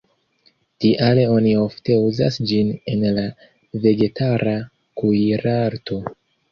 Tial oni ofte uzas ĝin en la vegetara kuirarto.